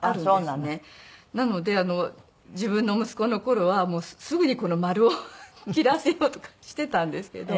なので自分の息子の頃はすぐに丸を切らせようとかしていたんですけど。